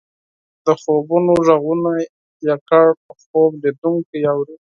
د خوبونو ږغونه یوازې خوب لیدونکی اوري.